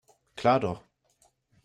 Klar doch.